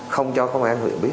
không cho công an huyện biết